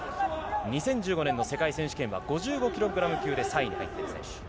２０１５年の世界選手権は５５キログラム級で３位に入った選手。